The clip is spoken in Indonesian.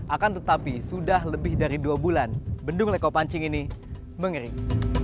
akan tetapi sudah lebih dari dua bulan bendung leko pancing ini mengering